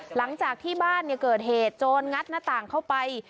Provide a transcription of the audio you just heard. หลังจากที่บ้านเกิดเหตุโจรงัดหน้าต่างเข้าไป